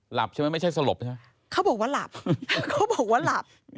ใช่ไหมไม่ใช่สลบใช่ไหมเขาบอกว่าหลับเขาบอกว่าหลับ